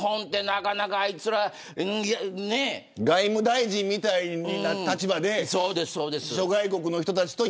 なかなかあいつらは。外務大臣みたいな立場で諸外国の人たちとやり合って。